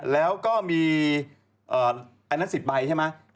แล้วก็มีอันนั้น๑๐ใบใช่ไหม